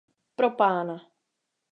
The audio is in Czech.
Propána!